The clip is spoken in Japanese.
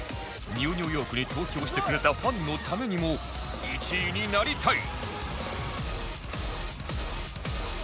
『ＮＥＷ ニューヨーク』に投票してくれたファンのためにも１位になりたい